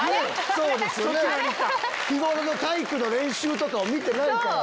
あれ⁉日頃の体育の練習とかを見てないから。